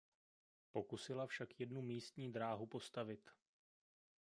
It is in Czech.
Pokusila však jednu místní dráhu postavit.